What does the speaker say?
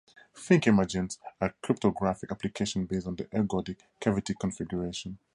Fink imagines a cryptographic application based on the ergodic cavity configuration.